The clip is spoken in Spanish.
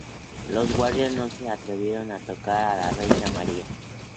Los guardias no se atrevieron a tocar a la reina María.